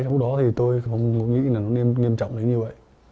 lúc đó thì tôi cũng nghĩ là nó nghiêm trọng đến như vậy